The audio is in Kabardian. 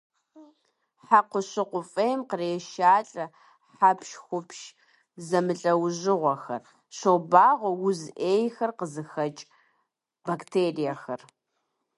Хьэкъущыкъу фӀейм кърешалӀэ хьэпщхупщ зэмылӀэужьыгъуэхэр, щобагъуэ уз Ӏейхэр къезыхьэкӀ бактериехэр.